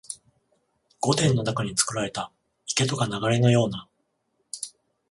御殿の中につくられた池とか流れのような、